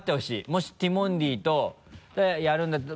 もしティモンディとやるんだったら。